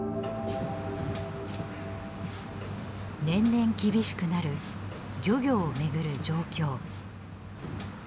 年々厳しくなる漁業をめぐる状況。